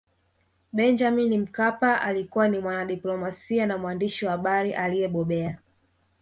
Benjamin Mkapa alikuwa ni mwanadiplomasia na mwandishi wa habari aliyebobea